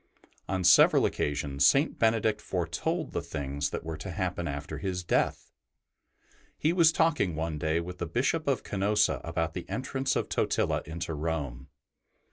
On several occasions St. Benedict foretold the things that were to happen after his death. He was talking one day with the Bishop of Canosa about the entrance of Totila into Rome.